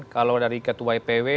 kalau dari ketua ipw